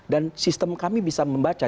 dan sistem kami bisa membaca